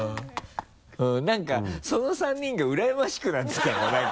なんかその３人がうらやましくなってきたもん。